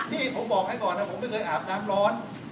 ที่ผมบอกให้ก่อนนะผมไม่เคยอาบน้ำร้อน